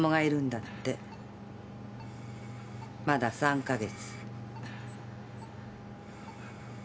まだ３か月。